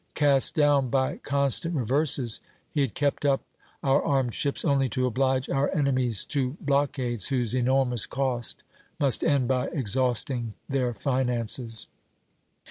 Cast down by constant reverses, he had kept up our armed ships only to oblige our enemies to blockades whose enormous cost must end by exhausting their finances."